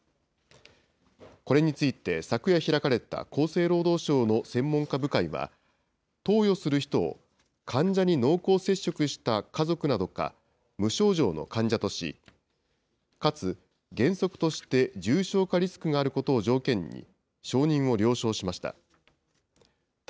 これについて、昨夜開かれた厚生労働省の専門家部会は、投与する人を、患者に濃厚接触した家族などか、無症状の患者とし、かつ原則として重症化リスクがあることを条件に、承認を了承しました。